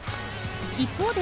一方で、